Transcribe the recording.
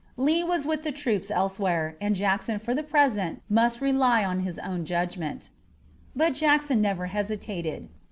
Lee was with the troops elsewhere, and Jackson for the present must rely upon his own judgment. But Jackson never hesitated.